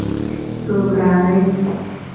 څوک راغی.